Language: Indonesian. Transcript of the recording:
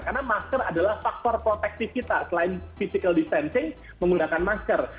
karena masker adalah faktor protektif kita selain physical distancing menggunakan masker